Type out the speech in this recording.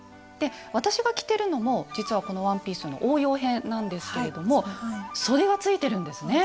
私が着てるのも実はこのワンピ―スの応用編なんですけれどもそでがついてるんですね。